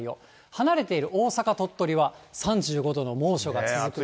離れている大阪、鳥取は３５度の猛暑が続く予想です。